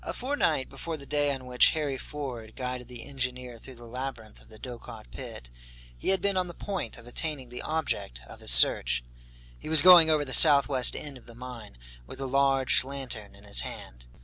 A fortnight before the day on which Harry Ford guided the engineer through the labyrinth of the Dochart pit, he had been on the point of attaining the object of his search. He was going over the southwest end of the mine, with a large lantern in his hand.